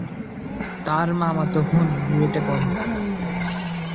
তার মামাতো বোন বুয়েটে পড়ে।